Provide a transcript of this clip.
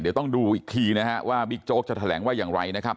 เดี๋ยวต้องดูอีกทีนะฮะว่าบิ๊กโจ๊กจะแถลงว่าอย่างไรนะครับ